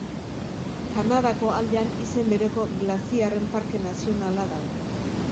Kanadako aldean izen bereko Glaziarren Parke Nazionala dago.